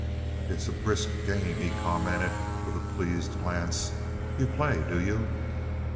"It's a brisk game," he commented, with a pleased glance. "You play, do you?"